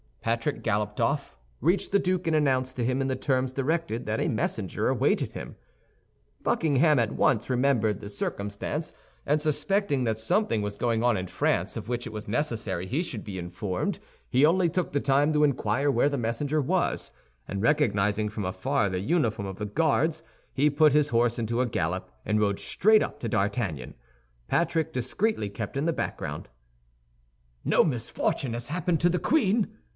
Patrick galloped off, reached the duke, and announced to him in the terms directed that a messenger awaited him. Buckingham at once remembered the circumstance, and suspecting that something was going on in France of which it was necessary he should be informed, he only took the time to inquire where the messenger was, and recognizing from afar the uniform of the Guards, he put his horse into a gallop, and rode straight up to D'Artagnan. Patrick discreetly kept in the background. "No misfortune has happened to the queen?"